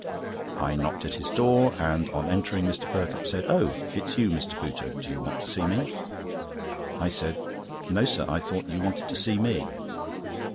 I knocked at his door, and on entering, Mr. Perkupp said: "Oh! it's you, Mr. Pooter; do you want to see me?" I said: "No, sir, I thought you wanted to see me!"